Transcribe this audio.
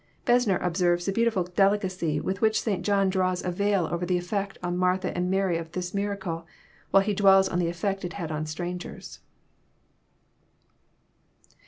Besner observes the beautiful delicacy with which St. John draws a veil over the effect on Martha and Mary of this miracle, while he dwells on the effect it had on strangers.